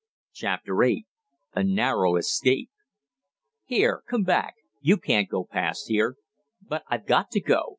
CHAPTER VIII A NARROW ESCAPE "Here, come back! You can't go past here!" "But I've got to go!